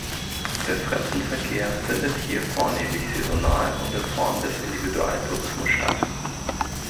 Der Fremdenverkehr findet hier vornehmlich saisonal und in Form des Individualtourismus statt.